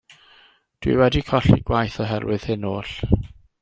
Dw i wedi colli gwaith oherwydd hyn oll.